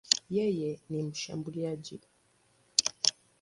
Yeye ni mshambuliaji.